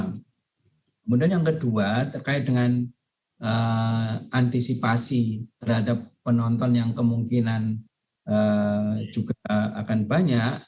kemudian yang kedua terkait dengan antisipasi terhadap penonton yang kemungkinan juga akan banyak